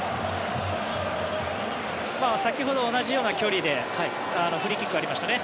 先ほど同じような距離でフリーキックがありましたね